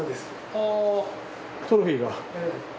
あぁトロフィーが。